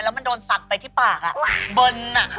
แล้วมันโดนสักไปที่ปากบน